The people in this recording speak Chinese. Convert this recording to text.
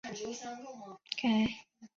黄包车的车轮也全部被改换。